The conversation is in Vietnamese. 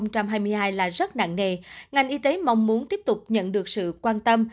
năm hai nghìn hai mươi hai là rất nặng nề ngành y tế mong muốn tiếp tục nhận được sự quan tâm